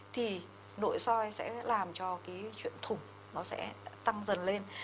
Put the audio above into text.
thì nội soi sẽ làm cho cái chuyện thủng nó sẽ tăng dần lên